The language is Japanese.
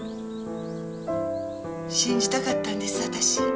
信じたかったんです私。